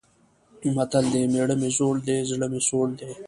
متل دی: مېړه مې زوړ دی، زړه مې سوړ دی.